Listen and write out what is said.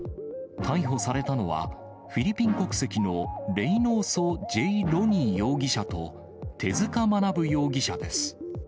逮捕されたのは、フィリピン国籍のレイノーソ・ジェイ・ロニー容疑者と、手塚学容疑者です。